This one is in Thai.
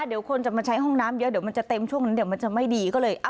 เดี๋ยวคนจะมาใช้ห้องน้ำเยอะเดี๋ยวมันจะเต็มช่วงนั้นเหลือก็เลย